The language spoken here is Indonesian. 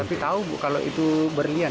tapi tahu bu kalau itu berlian